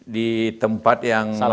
di tempat yang